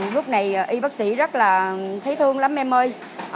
lúc này y bác sĩ rất là thấy thương lắm em mơ